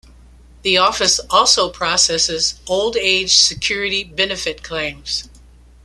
The office also processes Old Age Security benefit claims.